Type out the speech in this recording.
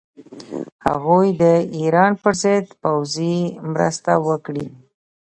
هغوی د ایران پر ضد پوځي مرسته وکړي.